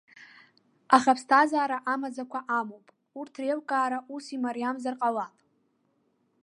Аха, аԥсҭазаара амаӡақәа амоуп, урҭ реилкаара ус имариамзар ҟалап.